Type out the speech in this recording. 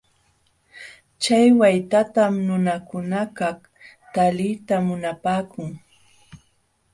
Chay waytatam nunakunakaq taliyta munapaakun.